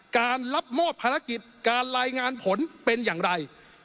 การรับมอบภารกิจการรายงานผลเป็นอย่างไร